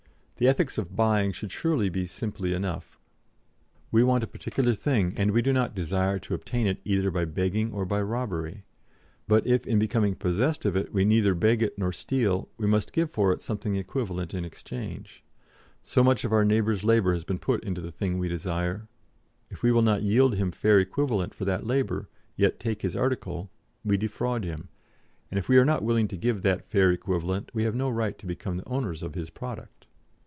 "The ethics of buying should surely be simply enough. We want a particular thing, and we do not desire to obtain it either by begging or by robbery; but if in becoming possessed of it, we neither beg it nor steal, we must give for it something equivalent in exchange; so much of our neighbour's labour has been put into the thing we desire; if we will not yield him fair equivalent for that labour, yet take his article, we defraud him, and if we are not willing to give that fair equivalent we have no right to become the owners of his product."